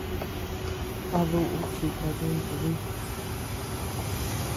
¿A duʼu chika yuntu dí?